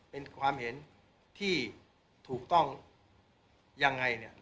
เป็นความเห็นที่ถูกต้องยังไงเนี่ย